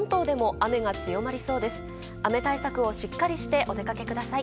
雨対策をしっかりしてお出かけください。